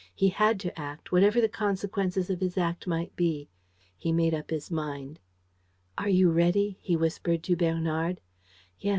He had to act, whatever the consequences of his act might be. He made up his mind. "Are you ready?" he whispered to Bernard. "Yes.